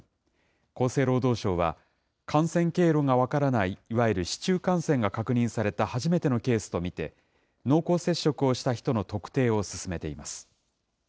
厚生労働省は、感染経路が分からない、いわゆる市中感染が確認された初めてのケースと見て、濃厚接触をした人の特定を進めています。